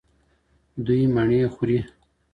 دوی مڼې خوري.